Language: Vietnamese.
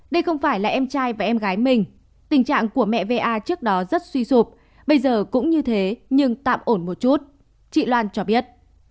đây không phải là em trai và em gái mình tình trạng của mẹ va trước đó rất suy sụp bây giờ cũng như thế nhưng tạm ổn một chút chị loan cho biết